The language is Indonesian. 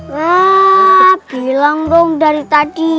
wah bilang dong dari tadi